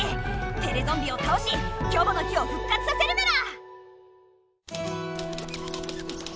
テレゾンビをたおしキョボの木をふっ活させるメラ！